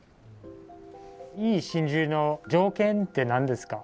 いい真珠の条件って何ですか？